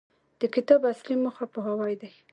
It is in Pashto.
د کتاب اصلي موخه پوهاوی دی.